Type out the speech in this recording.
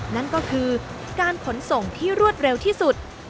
นั่นก็คือการขนส่งที่รวดเร็วที่สุด